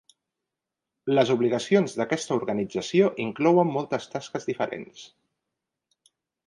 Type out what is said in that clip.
Les obligacions d'aquesta organització inclouen moltes tasques diferents.